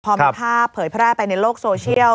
พอมีภาพเผยแพร่ไปในโลกโซเชียล